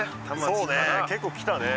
そうね